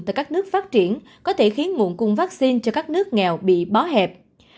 tại các nước phát triển có thể khiến nguồn cung vaccine cho các nước nghèo bị bó hẹp